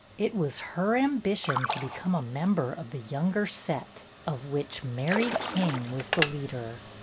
It was her ambition to become a member of the younger set, of which Mary King was the leader.